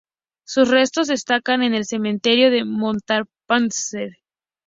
Sus restos descansan en el Cementerio de Montparnasse.